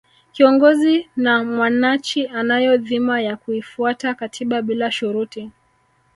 kiongozi na mwanachi anayo dhima ya kuifuata katiba bila shuruti